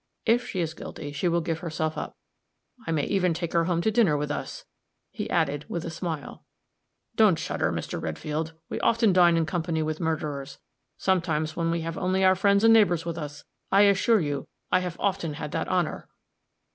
If she is guilty she will give herself up. I may even take her home to dinner with us," he added, with a smile. "Don't shudder, Mr. Redfield; we often dine in company with murderers sometimes when we have only our friends and neighbors with us. I assure you I have often had that honor!"